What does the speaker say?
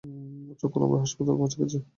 চোখ খুলো আমরা হাসপাতালে পৌঁছে গেছি।